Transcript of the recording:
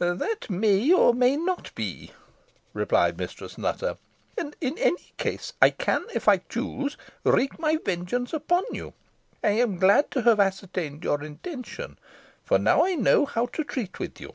"That may, or may not be," replied Mistress Nutter; "and in any case I can, if I choose, wreak my vengeance upon you. I am glad to have ascertained your intentions, for I now know how to treat with you.